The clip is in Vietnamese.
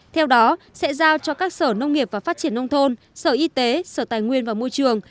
theo đó sẽ giao cho các sở nông nghiệp và phát triển nông thôn sở y tế sở tài nguyên và môi trường